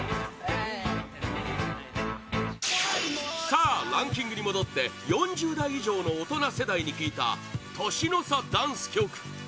「ＵＦＯ」さあ、ランキングに戻って４０代以上のオトナ世代に聞いた年の差ダンス曲